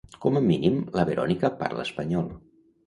Com a mínim la Verònica parla espanyol.